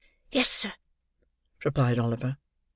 "Yes, sir," replied Oliver.